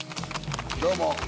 どうも。